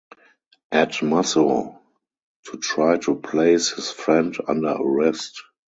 Ed Musso, to try to place his friend under arrest.